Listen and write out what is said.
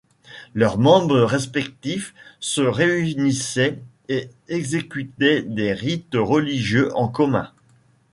Leurs membres respectifs se réunissaient et exécutaient des rites religieux en commun.